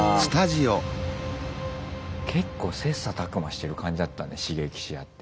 結構切磋琢磨してる感じだったね刺激し合って。